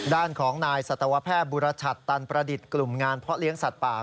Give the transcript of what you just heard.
ด้านของนายสัตวแพทย์บุรชัตตันประดิษฐ์กลุ่มงานเพาะเลี้ยงสัตว์ป่า